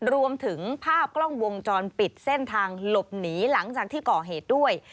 รวมถึงภาพกล้องวงจรปิดเส้นทางหลบหนีหลังจากที่ก่อเหตุด้วย